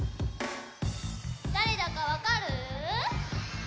だれだかわかる？わかる！